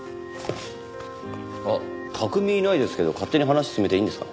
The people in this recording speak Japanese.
あっ拓海いないですけど勝手に話進めていいんですか？